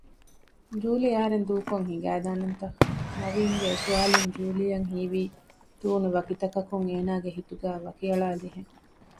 ޖޫލީ އަހަރެން ދޫކޮށް ހިނގައިދާނަންތަ؟ ނަވީންގެ އެސުވާލުން ޖޫލީއަށް ހީވީ ތޫނުވަކިތަކަކުން އޭނާގެ ހިތުގައި ވަކިއަޅާލިހެން